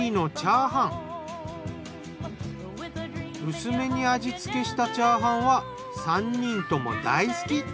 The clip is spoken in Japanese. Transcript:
薄めに味付けしたチャーハンは３人とも大好き。